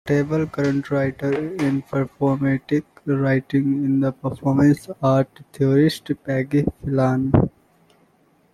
A notable current writer in performative writing is the performance art theorist Peggy Phelan.